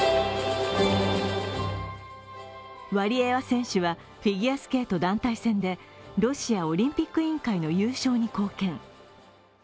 ワリエワ選手はフィギュアスケート団体戦でロシアオリンピック委員会の優勝に貢献。